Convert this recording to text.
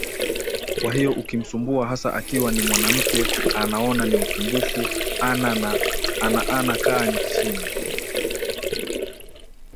kwa hiyo ukimsumbua hasa akiwa ni mwanamke anaona ni usumbufu ana ana kaa chini